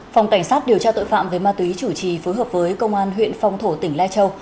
phòng cảnh sát điều tra tội phạm về ma túy chủ trì phối hợp với công an huyện phong thổ tỉnh lai châu